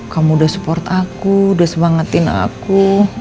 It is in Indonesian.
kamu sudah support aku sudah sebangetin aku